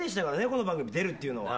この番組出るっていうのが。